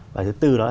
và thứ tư đó là